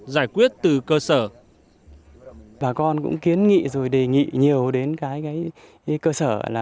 và cơ sở